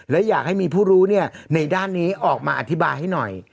และอยากให้มีผู้รู้ในด้านนี้ออกมาอธิบายให้หน่อย